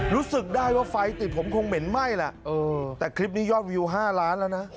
รู้สึกได้ว่าไฟติดผมคงเหม็นไหม้แหละแต่คลิปนี้ยอดวิว๕ล้านแล้วนะ